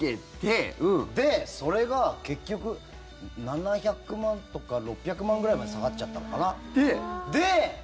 で、それが結局７００万とか６００万ぐらいまで下がっちゃったのかな。